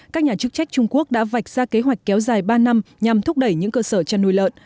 các nhà chức trách trung quốc đã vạch ra kế hoạch kéo dài ba năm nhằm thúc đẩy những cơ sở chăn nuôi lợn